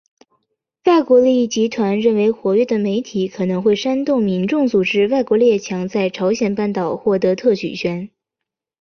外国利益集团认为活跃的媒体可能会煽动民众阻止外国列强在朝鲜半岛获得特许权。